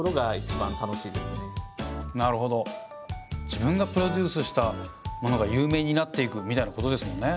自分がプロデュースしたものが有名になっていくみたいなことですもんね。